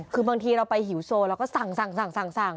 คือบางทีเราไปหิวโซเราก็สั่ง